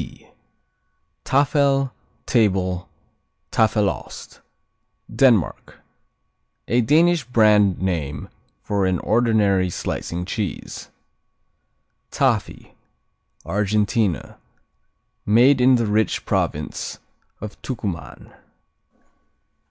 T Taffel, Table, Taffelost Denmark A Danish brand name for an ordinary slicing cheese. Tafi Argentina Made in the rich province of Tucuman.